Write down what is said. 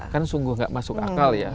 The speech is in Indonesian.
kan sungguh nggak masuk akal ya